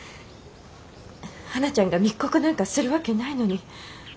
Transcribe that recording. はなちゃんが密告なんかする訳ないのに。